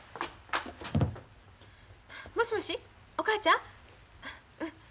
もしもしお母ちゃん？